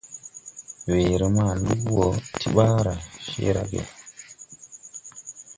Weere ma lug wo ti ɓaara cee ra ge.